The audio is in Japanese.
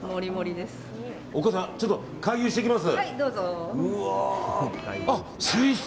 お母さんちょっと回遊してきます。